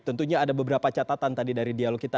tentunya ada beberapa catatan tadi dari dialog kita